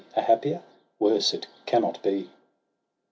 A happier? Worse it cannot be.